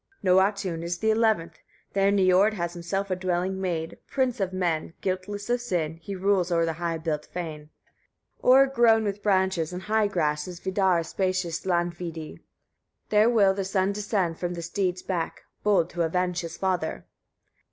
16. Nôatûn is the eleventh, there Niörd has himself a dwelling made, prince of men; guiltless of sin, he rules o'er the high built fane. 17. O'ergrown with branches and high grass is Vidar's spacious Landvîdi: There will the son descend, from the steed's back, bold to avenge his father.